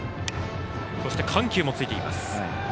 そして緩急もついています。